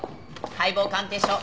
解剖鑑定書。